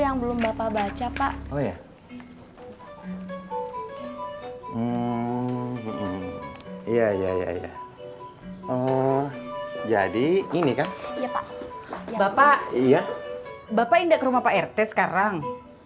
yang belum baca baca pak oh ya iya ya ya jadi ini kan bapak iya bapak indah ke rumah rt sekarang